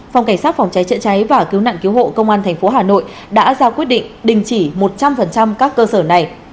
phòng cảnh sát phòng cháy chữa cháy và cứu nạn cứu hộ công an tp hà nội đã ra quyết định đình chỉ một trăm linh các cơ sở này